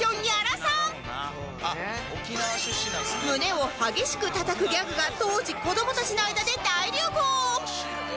胸を激しく叩くギャグが当時子どもたちの間で大流行